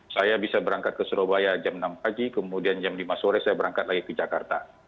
saya bisa berangkat ke surabaya jam enam pagi kemudian jam lima sore saya berangkat lagi ke jakarta